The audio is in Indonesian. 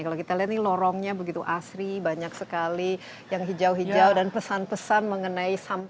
kalau kita lihat ini lorongnya begitu asri banyak sekali yang hijau hijau dan pesan pesan mengenai sampah